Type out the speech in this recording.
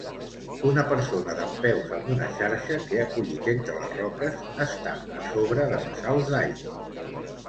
Una persona dempeus amb una xarxa que ha collit entre les roques està a sobre de bassals d'aigua.